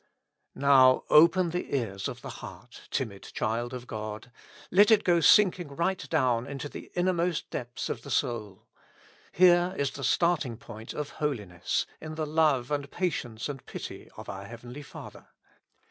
Now open the ears of the heart, timid child of God ; let it go sinking right down into the innermost depths of the soul. Here is the starting point of holi ness, in the love and patience and pity of our heavenly Father.